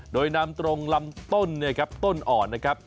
โดยนำตรงลำต้นเนี่ยครับต้นอ่อนนะครับ